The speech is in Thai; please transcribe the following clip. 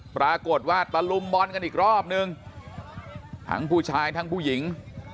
ตะลุมบอลกันอีกรอบนึงทั้งผู้ชายทั้งผู้หญิง